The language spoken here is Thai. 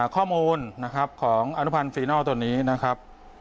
ข้อมูลนะครับของอนุพันธ์ฟีนอลตัวนี้นะครับ